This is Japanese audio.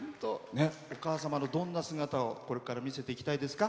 お母様のどんな姿をこれから見せていきたいですか？